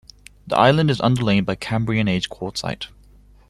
The island is underlain by Cambrian-age quartzite.